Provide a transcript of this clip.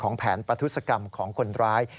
แผนประทุศกรรมของคนร้าย